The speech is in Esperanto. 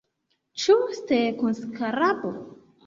Ĉu sterkoskarabo?